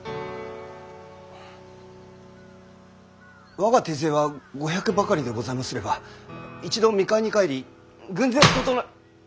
我が手勢は５００ばかりでございますれば一度三河に帰り軍勢を整え。